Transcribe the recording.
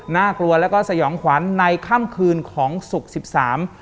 น่ากลัวแล้วก็สยองขวัญในค่ำคืนของศุกร์สิบสาม